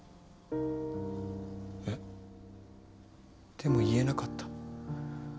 でも言えなかった。